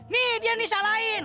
nih dia nih salahin